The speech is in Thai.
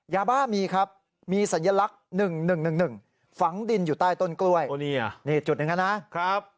ยาบ้ามีครับมีสัญลักษณ์๑๑๑๑ฝังดินอยู่ใต้ต้นกล้วยนี่จุดหนึ่งนะครับ